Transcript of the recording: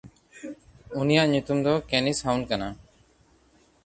ᱩᱱᱤᱭᱟᱜ ᱧᱩᱛᱩᱢ ᱫᱚ ᱠᱮᱱᱤᱥᱦᱟᱣᱱ ᱠᱟᱱᱟ᱾